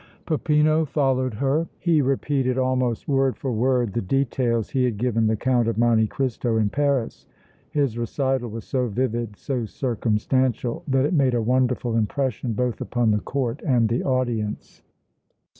Peppino followed her. He repeated almost word for word the details he had given the Count of Monte Cristo in Paris. His recital was so vivid, so circumstantial, that it made a wonderful impression both upon the Court and the audience.